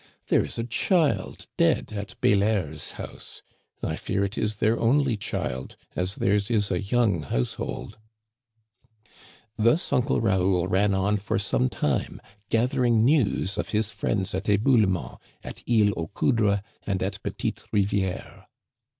There is a child dead at Bélair's house. I fear it is their only child, as theirs is a young household." Thus Uncle Raoul ran on for some time gathering news of his friends at Eboulements, at Isle aux Coudres, and at Petite Rivière.